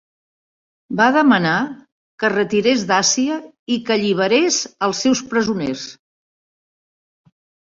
Va demanar que es retirés d'Àsia i que alliberés els seus presoners.